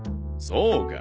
そうか。